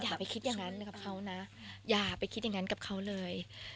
อย่าไปคิดอย่างนั้นกับเขานะอย่าไปคิดอย่างนั้นกับเขาเลย